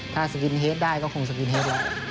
ถ้าสกินเฮดได้ก็คงสกินเฮดแล้ว